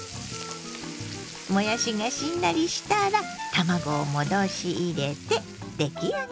もやしがしんなりしたら卵を戻し入れて出来上がり。